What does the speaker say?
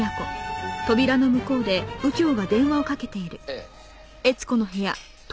ええ。